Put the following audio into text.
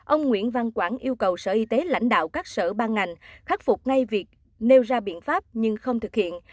ông nguyễn văn quảng yêu cầu sở y tế lãnh đạo các sở ban ngành khắc phục ngay việc nêu ra biện pháp nhưng không thực hiện